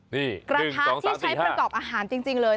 นี่กระทะที่ใช้ประกอบอาหารจริงเลย